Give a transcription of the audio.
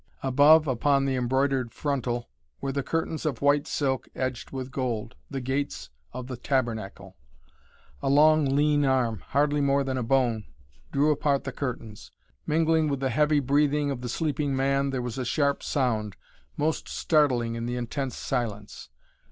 Above, upon the embroidered frontal, were the curtains of white silk edged with gold the gates of the tabernacle. A long, lean arm, hardly more than a bone, drew apart the curtains. Mingling with the heavy breathing of the sleeping man there was a sharp sound, most startling in the intense silence.